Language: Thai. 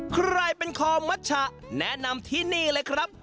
ใครเป็นคอมมัชชะแนะนำที่นี่เลยครับ